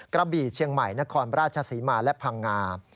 กระบี่เชียงใหม่นครราชศรีมาและพังงา